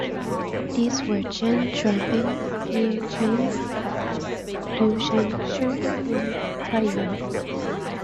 These were Chen Chuanping, Nie Chunyu, Du Shanxue, and Bai Yun.